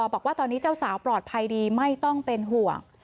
บอกว่าตอนนี้เจ้าสาวปลอดภัยดีไม่ต้องเป็นห่วง